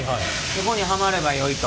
そこにはまればよいと。